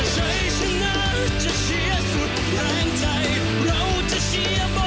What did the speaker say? สวัสดี